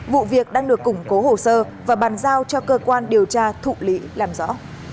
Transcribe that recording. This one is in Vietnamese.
vụ việc đang được củng cố hồ sơ và bàn giao cho cơ quan điều tra thụ lý làm rõ